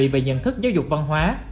về nhận thức giáo dục văn hóa